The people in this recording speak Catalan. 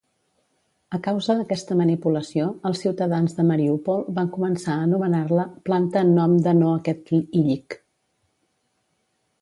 A causa d'aquesta manipulació, els ciutadans de Mariupol van començar a anomenar-la "Planta en nom de no-aquest-Illich".